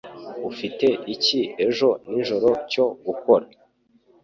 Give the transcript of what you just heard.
Ufite iki ejo nijoro cyo gukora ?